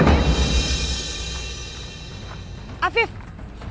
sekarang kita starving blender aja dong fit